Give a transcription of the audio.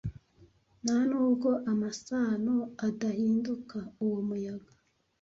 Ntanubwo amasano adahinduka uwo muyaga